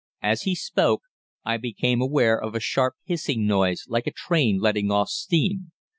"As he spoke I became aware of a sharp, hissing noise like a train letting off steam.